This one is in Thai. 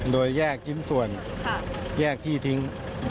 โดยแยกชิ้นส่วนแยกที่ทิ้ง